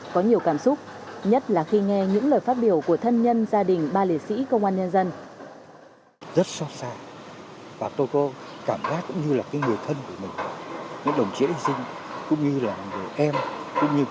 có nhiều cảm xúc nhất là khi nghe những lời phát biểu của thân nhân gia đình ba liệt sĩ công an nhân dân